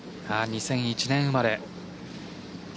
２００１年生まれ。